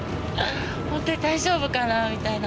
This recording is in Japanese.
ほんとに大丈夫かなみたいな。